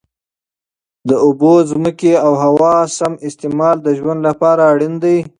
د اوبو، ځمکې او هوا سم استعمال د ژوند لپاره اړین دی.